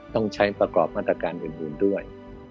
ต้องใช้ประกอบมาตรการอื่นด้วย